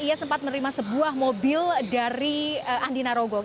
ia sempat menerima sebuah mobil dari andi narogo